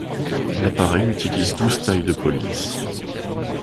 L'appareil utilise douze tailles de police.